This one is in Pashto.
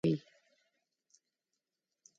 دوی بیا ورسره ټانټې هم ژووي.